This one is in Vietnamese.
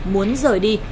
muốn rời đi